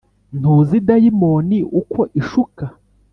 ntuzi, dayimoni uko ishuka.